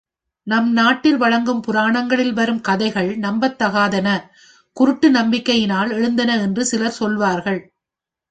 நம் நாட்டில் வழங்கும் புராணங்களில் வரும் கதைகள் நம்பத்தகாதன, குருட்டு நம்பிக்கையினால் எழுந்தன என்று சிலர் சொல்லுவார்கள்.